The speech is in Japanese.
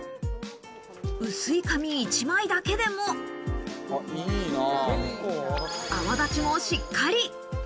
薄い紙１枚だけでも、泡立ちもしっかり。